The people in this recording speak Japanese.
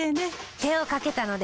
手をかけたので。